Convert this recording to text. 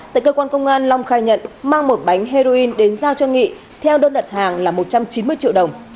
tại cơ quan công an long khai nhận mang một bánh heroin đến giao cho nghị theo đơn đặt hàng là một trăm chín mươi triệu đồng